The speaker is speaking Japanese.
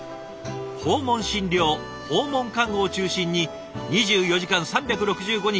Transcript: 訪問診療・訪問看護を中心に２４時間３６５日